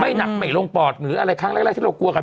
หนักไม่ลงปอดหรืออะไรครั้งแรกที่เรากลัวกัน